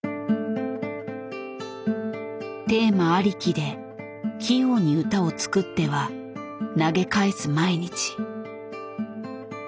テーマありきで器用に歌を作っては投げ返す毎日。